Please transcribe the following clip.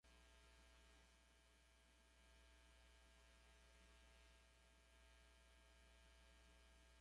A pesar de que fue brutalmente torturado, no delató a sus colegas húngaros.